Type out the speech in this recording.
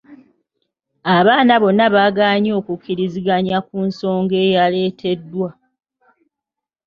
Abaana bonna baagaanye okukkiriziganya ku nsonga eyaleeteddwa.